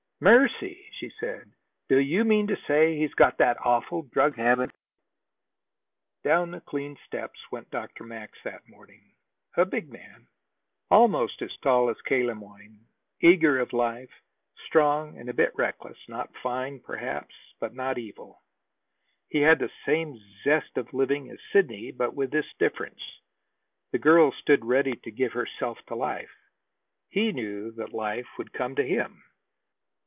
"Mercy!" she said. "Do you mean to say he's got that awful drug habit!" Down the clean steps went Dr. Max that morning, a big man, almost as tall as K. Le Moyne, eager of life, strong and a bit reckless, not fine, perhaps, but not evil. He had the same zest of living as Sidney, but with this difference the girl stood ready to give herself to life: he knew that life would come to him.